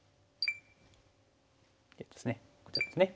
こちらですね。